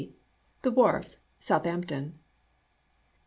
The wharf, Southampton.